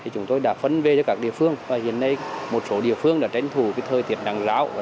chúng tôi đã phân vê cho các địa phương và hiện nay một số địa phương đã tránh thủ thời tiết nặng rau